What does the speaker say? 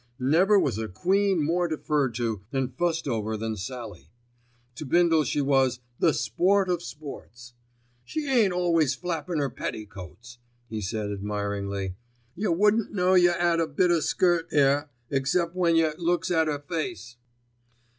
Never was a queen more deferred to and fussed over than Sallie. To Bindle she was "the sport of sports." "She ain't always flapping 'er petticoats," he said admiringly. "Yer wouldn't know you 'ad a bit o' skirt 'ere except when yer looks at 'er face."